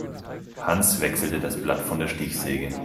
Hans wechselte das Blatt von der Stichsäge.